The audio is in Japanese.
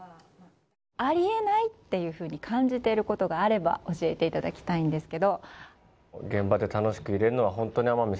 あり得ないっていうふうに感じることがあれば教えていただきたいんですが。